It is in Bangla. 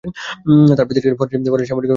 তাঁর পিতা ছিলেন ফরাসি সামরিক বাহিনীর একজন কর্নেল।